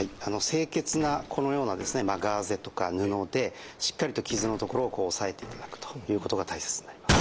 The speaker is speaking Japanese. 清潔なこのようなガーゼとか布でしっかりと傷の所をおさえていただくということが大切になります。